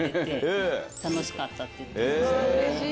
うれしい！